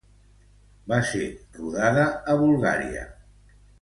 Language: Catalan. Va ser rodada a Bulgària.